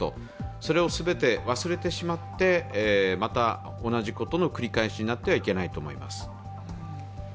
それを全て忘れてしまったまた同じことの繰り返しになってはいけないと思います。